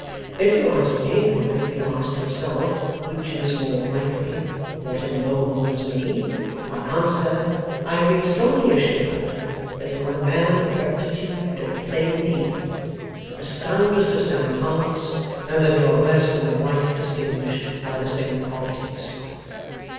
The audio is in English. If you ask me, or if you ask yourself which is more likely what emboldens me, I answer, I have been strongly assured, that you are a man of rectitude and plain dealing, with the soundest of sound hearts, and that you are blessed in a wife distinguished by the same qualities.